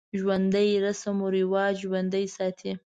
ژوندي رسم و رواج ژوندی ساتي